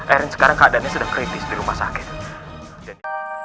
erin sekarang keadaannya sudah kritis di rumah sakit